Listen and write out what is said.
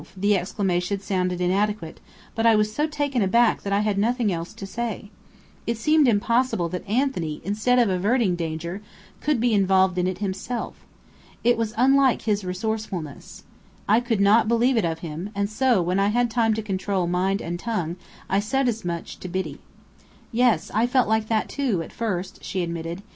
The exclamation sounded inadequate, but I was so taken aback that I had nothing else to say. It seemed impossible that Anthony, instead of averting danger, could be involved in it himself. It was unlike his resourcefulness. I could not believe it of him, and so, when I had time to control mind and tongue, I said as much to Biddy. "Yes, I felt like that, too, at first," she admitted.